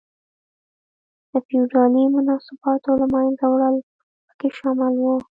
د فیوډالي مناسباتو له منځه وړل پکې شامل و.